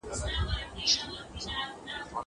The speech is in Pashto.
زه اوس د ښوونځی لپاره تياری کوم.